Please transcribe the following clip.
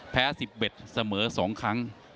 แพ้สิบเบ็ดเสมอสองครั้ง